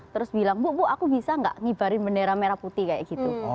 terus bilang bu bu aku bisa nggak ngibarin bendera merah putih kayak gitu kok